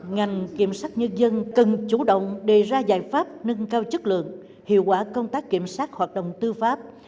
ngành kiểm sát nhân dân cần chủ động đề ra giải pháp nâng cao chất lượng hiệu quả công tác kiểm sát hoạt động tư pháp